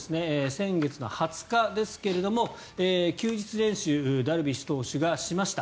先月２０日ですが、休日練習ダルビッシュ投手がしました。